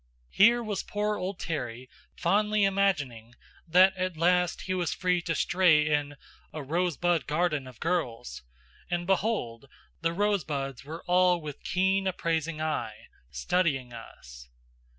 Here was poor old Terry fondly imagining that at last he was free to stray in "a rosebud garden of girls" and behold! the rosebuds were all with keen appraising eye, studying us.